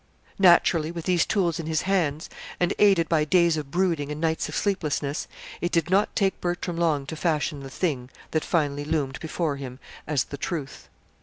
Naturally, with these tools in his hands, and aided by days of brooding and nights of sleeplessness, it did not take Bertram long to fashion The Thing that finally loomed before him as The Truth.